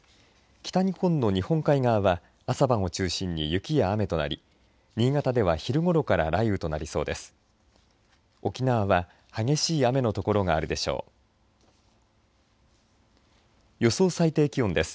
北日本の日本海側は朝晩を中心に雪や雨となり新潟では昼ごろから雷雨となりそうです。